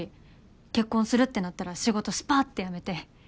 結婚するってなったら仕事スパッて辞めて。